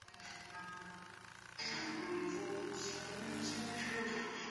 霍治曼县是美国堪萨斯州西南部的一个县。